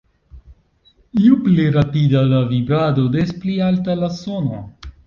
Ju pli rapida la vibrado, des pli alta la sono.